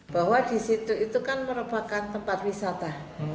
bahwa di situ itu kan merupakan tempat wisata